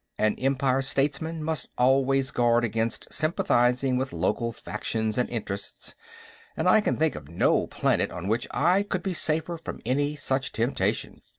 An Empire statesman must always guard against sympathizing with local factions and interests, and I can think of no planet on which I could be safer from any such temptation.